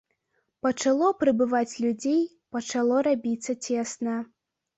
Пачало прыбываць людзей, пачало рабіцца цесна.